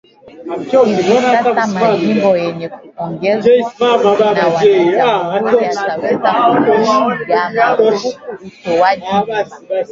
hivi sasa majimbo yenye kuongozwa na Wana jamuhuri yataweza kupiga marufuku utowaji mimba